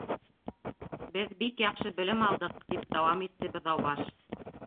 —Беҙ бик яҡшы белем алдыҡ, —тип дауам итте Быҙаубаш